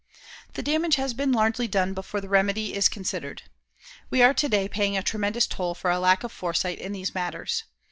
The damage has been largely done before the remedy is considered. We are today paying a tremendous toll for our lack of foresight in these matters.